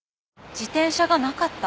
自転車がなかった？